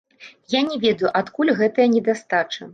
Я не ведаю, адкуль гэтая недастача.